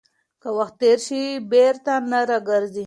که وخت تېر شي، بیا بیرته نه راګرځي.